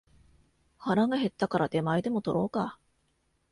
腹が減ったから出前でも取ろうか